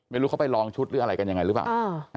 ไม่รู้เขาไปลองชุดหรืออะไรกันยังไงหรือเปล่า